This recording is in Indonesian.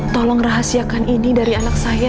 tolong rahasiakan ini dari anak saya